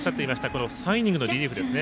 この３イニングのリリーフですね。